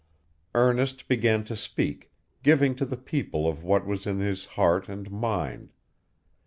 Ernest began to speak, giving to the people of what was in his heart and mind.